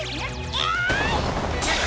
えい！